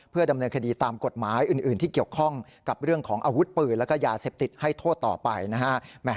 ดำเนินคดีตามกฎหมายอื่นที่เกี่ยวข้องกับเรื่องของอาวุธปืนแล้วก็ยาเสพติดให้โทษต่อไปนะฮะ